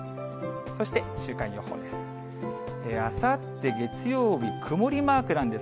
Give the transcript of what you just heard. そして週間予報です。